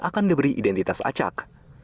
akan diberi identitas acak